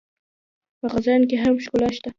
په خزان کې هم ښکلا شته